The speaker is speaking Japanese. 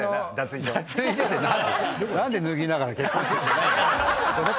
何で脱ぎながら「結婚しよう」じゃないんだよ。